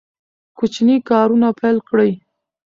کوچني کارونه پیل کړئ.